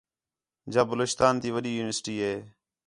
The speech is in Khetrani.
جا بلوچستان تی وݙّی یونیورسٹی ہِے